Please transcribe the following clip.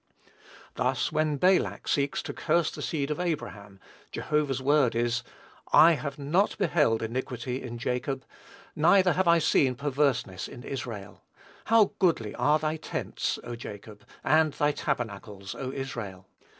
Thus, when Balak seeks to curse the seed of Abraham, Jehovah's word is: "I have not beheld iniquity in Jacob, neither have I seen perverseness in Israel." "How goodly are thy tents, O Jacob, and thy tabernacles, O Israel."